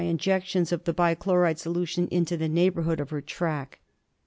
43 injections of the bichloride solution into the neighbour hood of her track.